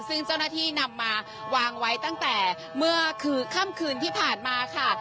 ซึ่งเจ้าหน้าที่นำมาวางไว้ตั้งแต่เมื่อคืนค่ำคืนที่ผ่านมาค่ะ